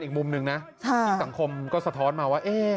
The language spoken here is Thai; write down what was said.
คุมหนึ่งนะสังคมก็สะท้อนมาว่า